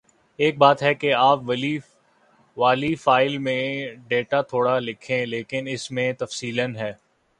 ایک بات ہے کہ آپ والی فائل میں ڈیٹا تھوڑا لکھا ہے لیکن اس میں تفصیلاً ہے